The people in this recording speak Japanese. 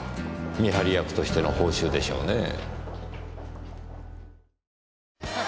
見張り役としての報酬でしょうねぇ。